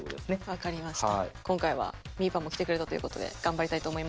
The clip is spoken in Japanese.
わかりました。